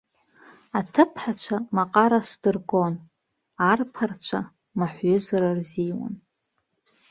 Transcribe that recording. Аҭыԥҳацәа маҟарас дыргон, арԥарацәа маҳәҩызара рзиуан.